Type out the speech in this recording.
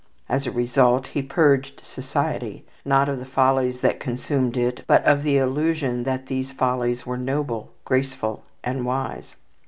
As a result, he purged society, not of the follies that consumed it, but of the illusion that these follies were noble, graceful, and wise.